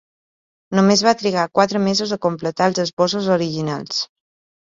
Només va trigar quatre mesos a completar els esbossos originals.